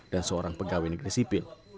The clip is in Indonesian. dan seorang pegawai negeri sipil